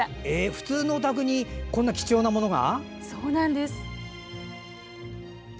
普通のお宅にこんな貴重なものが！